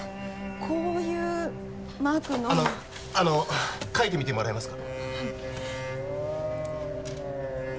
こういうマークのあのあの書いてみてもらえますか？